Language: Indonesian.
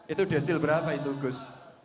itu destil berapa itu gus